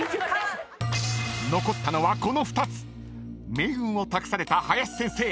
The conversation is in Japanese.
［命運を託された林先生］